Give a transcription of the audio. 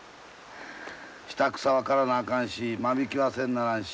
下草は刈らなあかんし間引きはせんならんし。